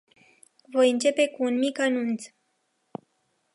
Voi începe cu un mic anunț.